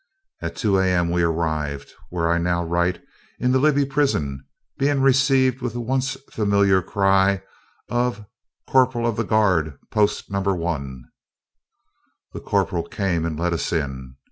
At 2 A.M., we arrived, where I now write, in the Libby prison, being received with the once familiar cry of "Corporal of the Guard, Post No. 1." The corporal came and let us in.